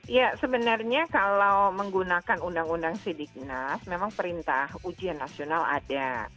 ya sebenarnya kalau menggunakan undang undang sidiknas memang perintah ujian nasional ada